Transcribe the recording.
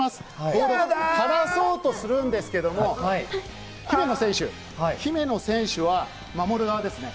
ボールを離そうとするんですけど、姫野選手は守る側ですね。